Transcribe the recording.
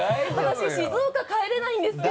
私静岡帰れないんですけど。